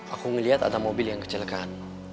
aku ngeliat ada mobil yang kecelakaan